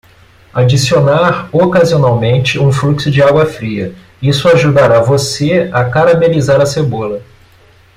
Adicionar ocasionalmente um fluxo de água fria; Isso ajudará você a caramelizar a cebola.